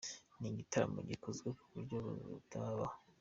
Ni igitaramo gikozwe mu buryo butarabaho”.